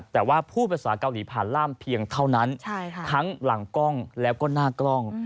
แต่ว่าพูดภาษาเกาหลีผ่านล่ามเพียงเท่านั้นทั้งหลังกล้องแล้วก็หน้ากล้อง